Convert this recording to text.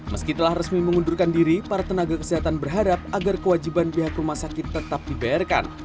meski telah resmi mengundurkan diri para tenaga kesehatan berharap agar kewajiban pihak rumah sakit tetap dibayarkan